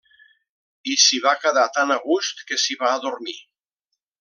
I s'hi va quedar tan a gust que s'hi va adormir.